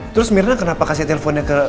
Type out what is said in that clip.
terus mirna kenapa kasih teleponnya ke